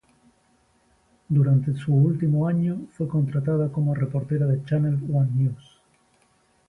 Durante su último año, fue contratada como reportera de "Channel One News".